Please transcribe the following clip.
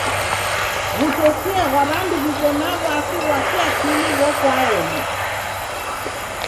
W'utesia ghwa w'andu w'iko na w'asi ghwa kiakili ghokwaeni.